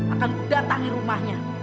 akan ku datangi rumahnya